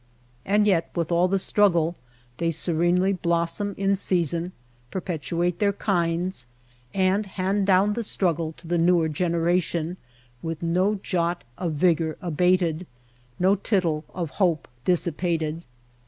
And yet with all the struggle they se renely blossom in season, perpetuate their kinds, and hand down the struggle to the newer gen eration with no jot of vigor abated, no tittle of hope dissipated.